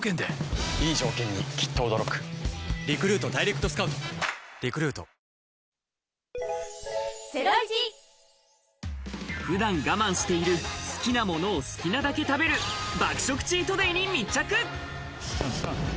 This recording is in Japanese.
東芝普段我慢している好きなものを好きなだけ食べる爆食チートデイに密着。